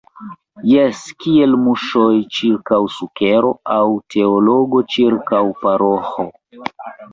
Jes, kiel muŝoj ĉirkaŭ sukero aŭ teologo ĉirkaŭ paroĥo!